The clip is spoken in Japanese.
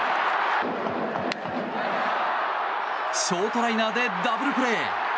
ショートライナーでダブルプレー！